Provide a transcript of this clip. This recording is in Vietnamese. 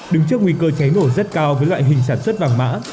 đứng trước nguy cơ cháy nổ rất cao với loại hình sản xuất vàng mã